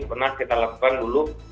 pernah kita lakukan dulu